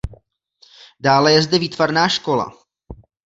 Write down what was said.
Dále je zde výtvarná škola.